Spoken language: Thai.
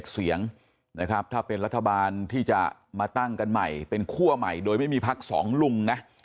เสียงนะครับถ้าเป็นรัฐบาลที่จะมาตั้งกันใหม่เป็นคั่วใหม่โดยไม่มีพักสองลุงนะ